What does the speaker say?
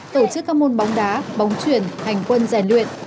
tổ chức các môn bóng đá bóng chuyển hành quân giải luyện